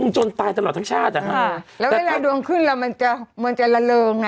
จนตายตลอดทั้งชาติอ่ะฮะแล้วเวลาดวงขึ้นแล้วมันจะมันจะละเริงอ่ะ